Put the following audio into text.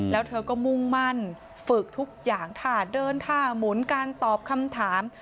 แล้วเธอก็มุ่งมั่นฝึกทุกอย่างท่าเดินท่าหมุนการตอบคำถาม